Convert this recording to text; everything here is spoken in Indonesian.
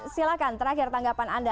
silahkan terakhir tanggapan anda